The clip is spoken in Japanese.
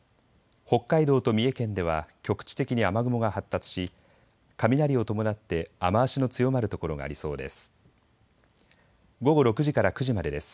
北海道と三重県では局地的に雨雲が発達し雷を伴って雨足の強まる所がありそうです。